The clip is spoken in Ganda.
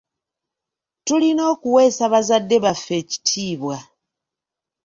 Tulina okuweesa bazadde baffe ekitiibwa.